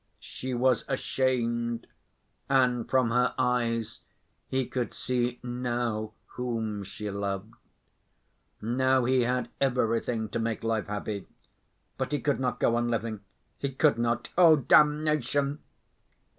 She was ashamed, and from her eyes he could see now whom she loved. Now he had everything to make life happy ... but he could not go on living, he could not; oh, damnation!